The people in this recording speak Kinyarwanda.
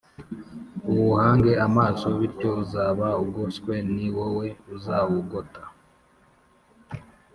uwuhange amaso bityo uzaba ugoswe ni wowe uzawugota